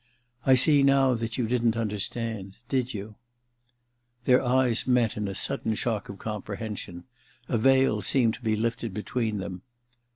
* I see now that you didn't understand — did you ?' Their eyes met in a sudden shock of com prehension : a veil seemed to be lifted between them.